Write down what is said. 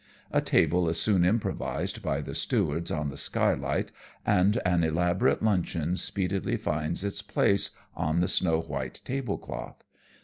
A table is soon improvised by the stewards on the skylight, and an elaborate luncheon speedily finds its place on the snow white tablecloth.